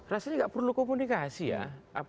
rasanya nggak perlu komunikasi ya